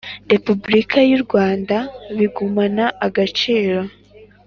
Repubulika y u Rwanda bigumana agaciro